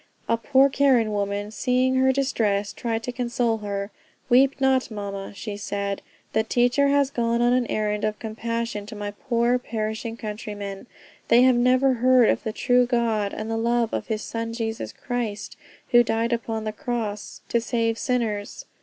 A poor Karen woman, seeing her distress, tried to console her: "Weep not, mama," she said; "the teacher has gone on an errand of compassion to my poor perishing countrymen. They have never heard of the true God, and the love of his Son Jesus Christ, who died upon he cross to save sinners.